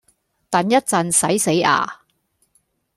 等一陣洗死呀？